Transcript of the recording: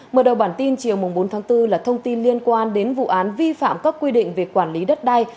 mở đầu bản tin chiều bốn tháng bốn là thông tin liên quan đến vụ án vi phạm các quy định về quản lý đất đai